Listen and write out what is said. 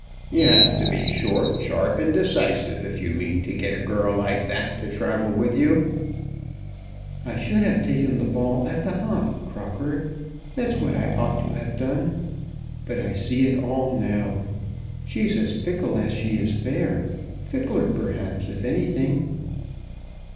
"You have to be short, sharp, and decisive if you mean to get a girl like that to travel with you." "I should have taken the ball at the hop, Crocker; that's what I ought to have done. But I see it all now. She's as fickle as she is fair; fickler, perhaps, if anything."